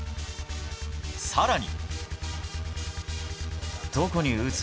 更に。